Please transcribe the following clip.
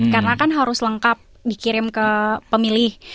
karena kan harus lengkap dikirim ke pemilih